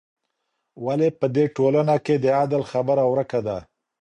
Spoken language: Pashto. ولي په دې ټولنه کي د عدل خبره ورکه ده؟